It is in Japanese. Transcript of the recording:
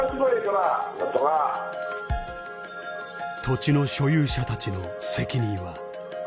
土地の所有者たちの責任は。